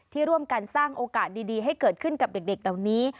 ที่ร่วมกันสร้างโอกาสดีให้เกิดขึ้นกับเด็กเหล่านี้